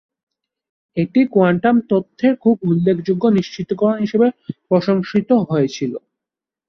এটি কোয়ান্টাম তত্ত্বের খুব উল্লেখযোগ্য নিশ্চিতকরণ হিসাবে প্রশংসিত হয়েছিল।